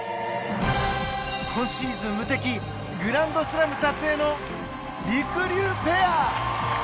今シーズン無敵グランドスラム達成のりくりゅうペア